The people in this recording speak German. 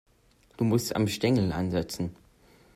Du musst am Stängel ansetzen.